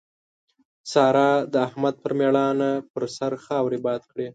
سارا د احمد پر ميړانه پر سر خاورې باد کړې.